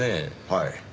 はい。